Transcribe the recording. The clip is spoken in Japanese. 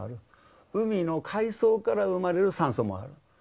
海の海そうから生まれる酸素もある。